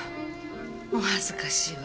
お恥ずかしいわ。